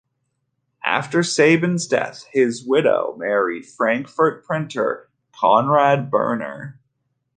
After Sabon's death, his widow married Frankfurt printer Konrad Berner.